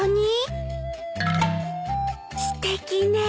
すてきね。